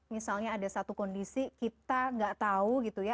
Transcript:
misalnya ada satu kondisi kita nggak tahu gitu ya